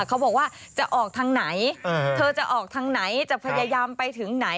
เขาบอกว่าจะออกทางไหนเธอจะออกทางไหนจะพยายามไปถึงไหน